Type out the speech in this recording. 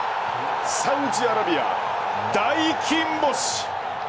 サウジアラビア大金星。